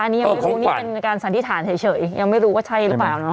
อันนี้ยังไม่รู้นี่เป็นการสันนิษฐานเฉยยังไม่รู้ว่าใช่หรือเปล่าเนาะ